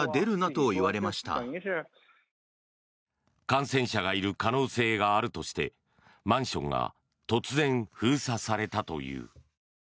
感染者がいる可能性があるとしてマンションが突然、封鎖されたという。